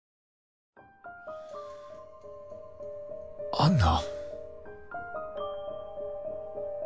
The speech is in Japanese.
安奈？